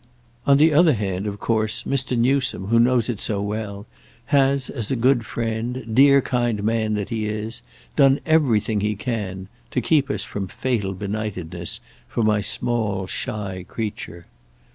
On the other hand of course Mr. Newsome, who knows it so well, has, as a good friend, dear kind man that he is, done everything he can—to keep us from fatal benightedness—for my small shy creature.